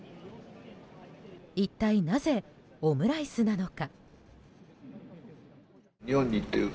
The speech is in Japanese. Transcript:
一体なぜオムライスなのか？